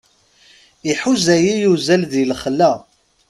Iḥuza-yi uzal di lexla.